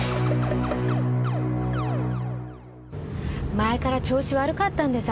前から調子悪かったんです